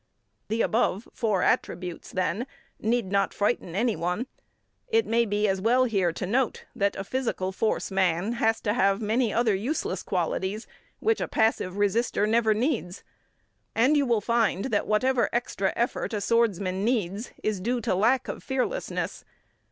The above four attributes, then, need not frighten any one. It may be as well here to note that a physical force man has to have many other useless qualities which a passive resister never needs. And you will find that whatever extra effort a swordsman needs is due to lack of fearlessness.